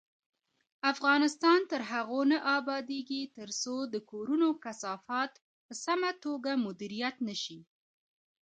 افغانستان تر هغو نه ابادیږي، ترڅو د کورونو کثافات په سمه توګه مدیریت نشي.